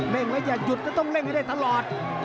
่งแล้วอย่าหยุดก็ต้องเร่งให้ได้ตลอด